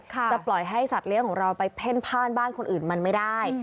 จะปล่อยให้สัตว์เลี้ยงของเราไปเพ่นพ่านบ้านคนอื่นมันไม่ได้